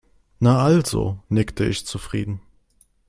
"Na also", nickte ich zufrieden.